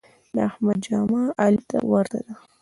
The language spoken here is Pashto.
د احمد جامه علي ته ورته ده.